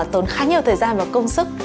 tốn khá nhiều thời gian và công sức